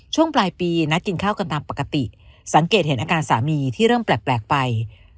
ช่วงปลายปีนัดกินข้าวกันตามปกติสังเกตเห็นอาการสามีที่เริ่มแปลกไป